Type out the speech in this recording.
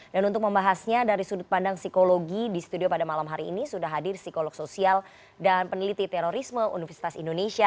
dan untuk membahasnya dari sudut pandang psikologi di studio pada malam hari ini sudah hadir psikolog sosial dan peneliti terorisme universitas indonesia